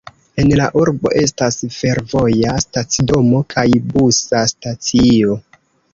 En la urbo estas fervoja stacidomo kaj busa stacio.